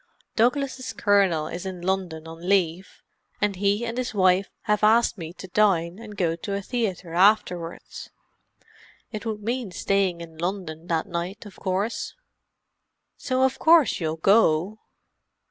"Douglas's Colonel is in London on leave, and he and his wife have asked me to dine and go to a theatre afterwards. It would mean staying in London that night, of course." "So of course you'll go?"